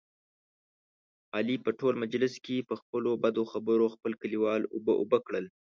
علي په ټول مجلس کې، په خپلو بدو خبرو خپل کلیوال اوبه اوبه کړل.